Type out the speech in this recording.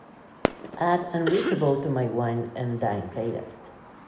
Add unreachable to my wine & dine playlist.